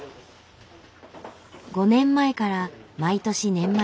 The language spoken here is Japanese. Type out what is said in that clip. ５年前から毎年年末